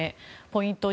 ポイント